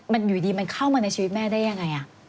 มันอยู่ดีมันเข้ามาในชีวิตแม่ได้ยังไง